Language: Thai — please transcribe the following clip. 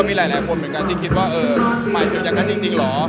มีหลายคนเหมือนกันที่คิดว่าเออหมายถึงอย่างนั้นจริงเหรอ